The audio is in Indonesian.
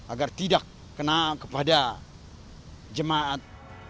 agar tidak kena kepada jemaat